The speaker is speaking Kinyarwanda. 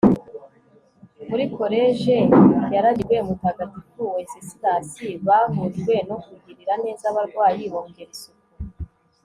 muri collège yaragijwe mutagatifu wenceslas, bahujwe no kugirira neza abarwayi bongera isuku